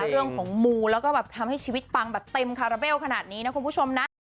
เรื่องของมูแล้วก็แบบทำให้ชีวิตปังแบบเต็มคาราเบลขนาดนี้นะคุณผู้ชมนะ